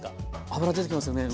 脂出てきますよね。